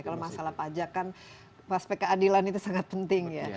kalau masalah pajak kan aspek keadilan itu sangat penting ya